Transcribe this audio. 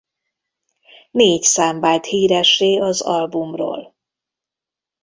Négy szám vált híressé az albumról.